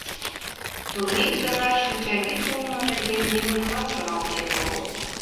Турий тынар шинчавӱд улмо нерген нигунамат шоналтен огыл.